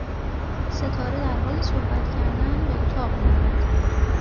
ستاره درحال صحبت کردن به اتاق می رود